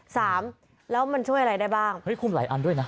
สามแล้วมันช่วยอะไรได้บ้างเฮ้ยคุมหลายอันด้วยนะ